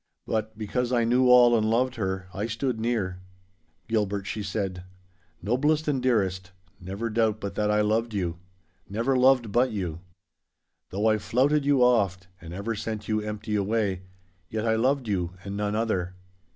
But, because I knew all and loved her, I stood near. 'Gilbert,' she said, 'noblest and dearest, never doubt but that I loved you—never loved but you. Though I flouted you oft, and ever sent you empty away, yet I loved you and none other.